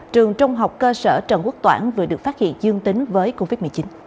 trường trung học cơ sở trần quốc toản vừa được phát hiện dương tính với covid một mươi chín